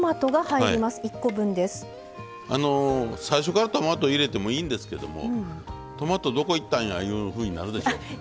最初からトマト入れてもいいんですけどもトマトどこいったんやいうふうになるでしょ？